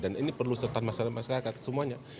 dan ini perlu serta masyarakat semuanya